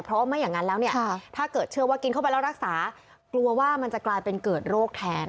เพราะไม่อย่างนั้นแล้วเนี่ยถ้าเกิดเชื่อว่ากินเข้าไปแล้วรักษากลัวว่ามันจะกลายเป็นเกิดโรคแทน